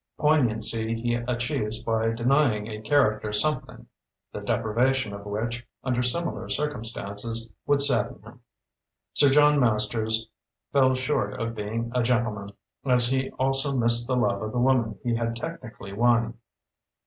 Poignancy he achieves by denying a character something, the deprivation of which, under similar circumstances, would sadden him. Sir John Masters fell short of being a gentleman, as he also missed the love of the woman he had technically won.